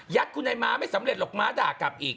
คุณไอ้ม้าไม่สำเร็จหรอกม้าด่ากลับอีก